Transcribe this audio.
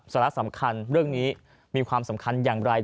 สาระสำคัญเรื่องนี้มีความสำคัญอย่างไร